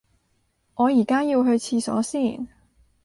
我而家要去廁所先